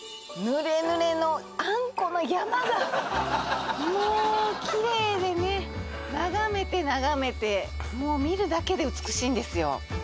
ぬれぬれのあんこの山がもうキレイでね眺めて眺めてもう見るだけで美しいんですよ